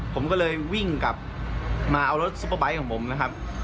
ผมก็เลยวิ่งกลับมาเอารถซุปเปอร์ไบท์ของผมนะครับ